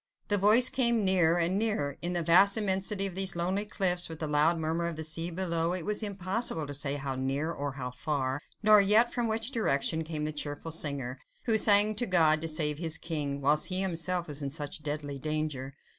The voice came nearer and nearer; in the vast immensity of these lonely cliffs, with the loud murmur of the sea below, it was impossible to say how near, or how far, nor yet from which direction came that cheerful singer, who sang to God to save his King, whilst he himself was in such deadly danger.